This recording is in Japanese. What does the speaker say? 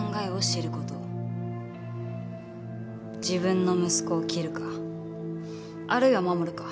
自分の息子を切るかあるいは守るか。